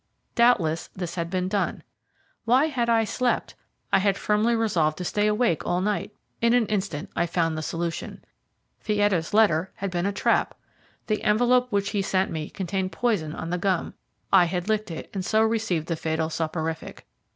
Doubtless this had been done. Why had I slept? I had firmly resolved to stay awake all night. In an instant I had found the solution. Fietta's letter had been a trap. The envelope which he sent me contained poison on the gum. I had licked it, and so received the fatal soporific.